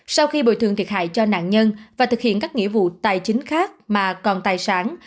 sau khi bồi thường thiệt hại cho nạn nhân và thực hiện các nghĩa vụ tài chính khác mà còn tài sản